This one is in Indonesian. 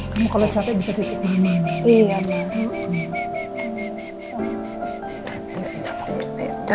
kamu kalau capek bisa titipin